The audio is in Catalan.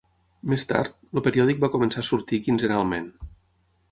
Més tard, el periòdic va començar a sortir quinzenalment.